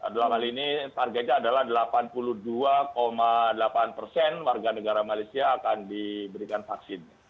dalam hal ini targetnya adalah delapan puluh dua delapan persen warga negara malaysia akan diberikan vaksin